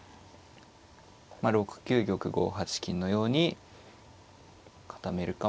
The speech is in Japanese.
まあ６九玉５八金のように固めるか。